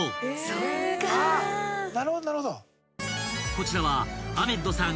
［こちらはアメッドさん